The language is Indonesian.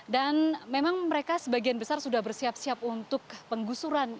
dan memang mereka sebagian besar sudah bersiap siap untuk penggusuran